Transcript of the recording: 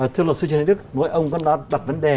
thưa luật sư trần đức mỗi ông vẫn đặt vấn đề